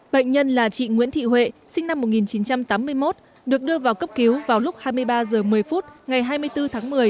bệnh nhân là chị nguyễn thị huệ sinh năm một nghìn chín trăm tám mươi một được đưa vào cấp cứu vào lúc hai mươi ba h một mươi phút ngày hai mươi bốn tháng một mươi